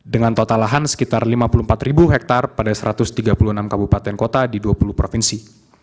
dengan total lahan sekitar lima puluh empat hektare pada satu ratus tiga puluh enam kabupaten kota di dua puluh provinsi